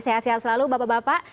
sehat sehat selalu bapak bapak